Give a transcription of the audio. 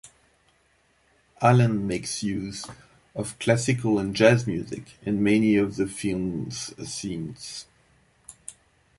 Allen makes use of classical and jazz music in many of the film's scenes.